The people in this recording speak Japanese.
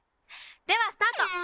ではスタート！